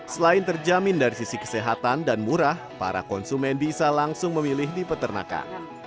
selain terjamin dari sisi kesehatan dan murah para konsumen bisa langsung memilih di peternakan